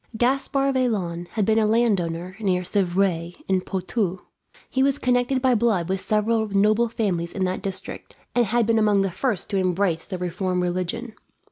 Gaspard Vaillant had been a landowner near Civray, in Poitou. He was connected by blood with several noble families in that district, and had been among the first to embrace the reformed religion.